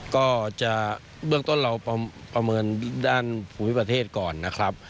ก็จะเราก็ประเมินด้านภูมิประเทศก่อนนะครับ